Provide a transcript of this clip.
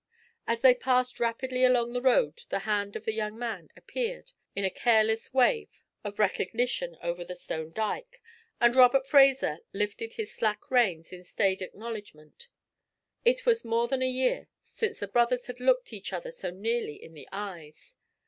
As they passed rapidly along the road the hand of the young man appeared in a careless wave of recognition over the stone dyke, and Robert Fraser lifted his slack reins in staid acknowledgment. It was more than a year since the brothers had looked each other so nearly in the eyes.